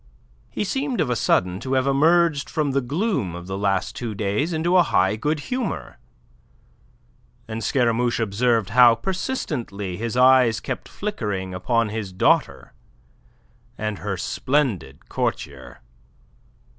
He seemed of a sudden to have emerged from the gloom of the last two days into high good humour, and Scaramouche observed how persistently his eyes kept flickering upon his daughter and her splendid courtier.